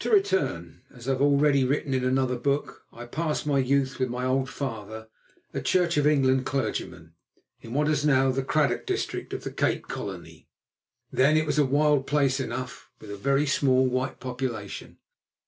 To return. As I have already written in another book, I passed my youth with my old father, a Church of England clergyman, in what is now the Cradock district of the Cape Colony. Then it was a wild place enough, with a very small white population.